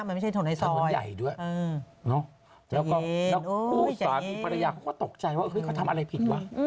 มันไม่ใช่ถนนไอซอยจระเย็นจระเย็นแล้วก็ผู้สามีภรรยาเขาก็ตกใจว่าเฮ้ยเขาทำอะไรผิดว่ะ